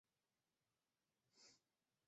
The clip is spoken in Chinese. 敏象王国。